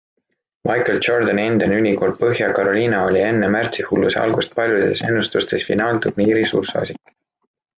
Michael Jordani endine ülikool Põhja-Carolina oli enne märtsihulluse algust paljudes ennustustes finaalturniiri suursoosik.